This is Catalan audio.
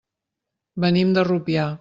Venim de Rupià.